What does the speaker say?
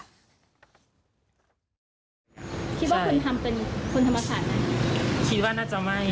คิดว่าคุณทำเป็นคนธรรมศาสตร์ไหมคิดว่าน่าจะไม่